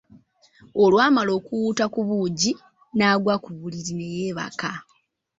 Olwamala okuwuuta ku buugi, n'aggwa ku buliriri ne yeebaka.